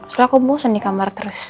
setelah aku bosen di kamar terus